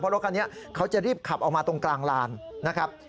รถคันนี้เขาจะรีบขับออกมาตรงกลางลานนะครับ